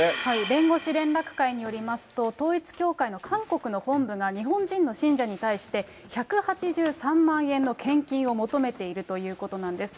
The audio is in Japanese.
弁護士連絡会によりますと、統一教会の韓国の本部が、日本人の信者に対して、１８３万円の献金を求めているということなんです。